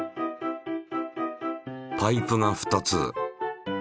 パイプが２つ。